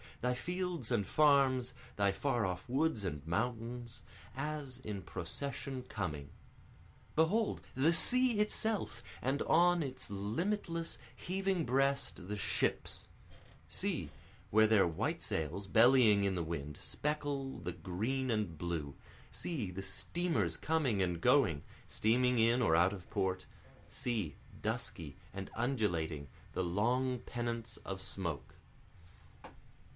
thy fields and farms, thy far off woods and mountains, As in procession coming. Behold, the sea itself, And on its limitless, heaving breast, the ships; See, where their white sails, bellying in the wind, speckle the green and blue, See, the steamers coming and going, steaming in or out of port, See, dusky and undulating, the long pennants of smoke.